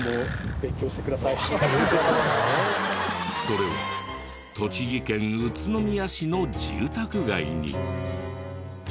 それは栃木県宇都宮市の住宅街に。